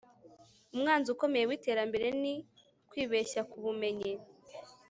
umwanzi ukomeye w'iterambere ni kwibeshya ku bumenyi